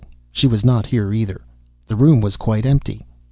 She was not here either. The room was quite empty.